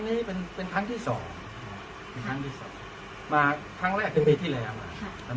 ครั้งนี้เป็นเป็นครั้งที่สองครั้งที่สองมาครั้งแรกปีที่แรกมาค่ะ